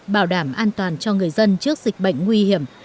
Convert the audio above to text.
bảo đảm an toàn cho người dân trước dịch bệnh nguy hiểm